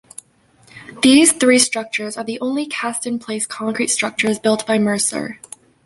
These three structures are the only cast-in-place concrete structures built by Mercer.